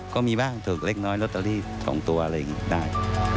ก็มีบ้างถูกเล็กน้อยลอตเตอรี่๒ตัวอะไรอย่างนี้ได้